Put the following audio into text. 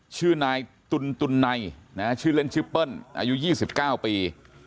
ชื่อนายตุนในชื่อเล่นชื่อเปิ้ลอายุ๒๙ปี